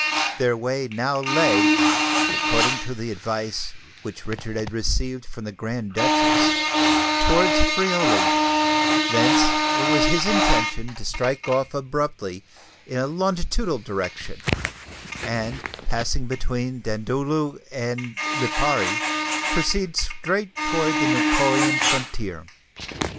Their way now lay, according to the advice which Richard had received from the Grand Duchess, towards Friuli: thence it was his intention to strike off abruptly in a longitudinal direction, and, passing between Dandolo and Lipari, proceed straight toward the Neapolitan frontier.